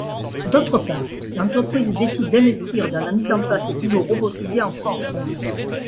D’autre part, l’entreprise décide d’investir dans la mise en place d’îlots robotisés en France.